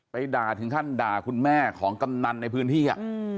ด่าถึงขั้นด่าคุณแม่ของกำนันในพื้นที่